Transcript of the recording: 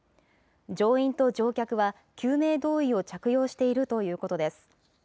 乗員と乗客は救命胴衣を着用しているということです。